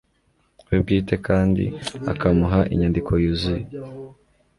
we bwite kandi akamuha inyandiko yuzuye